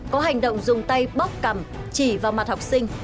có hành động dùng tay bóc cằm chỉ vào mặt học sinh